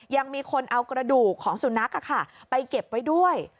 ยังมีคนเอากระดูกของสุนัขไปเก็บไว้ด้วย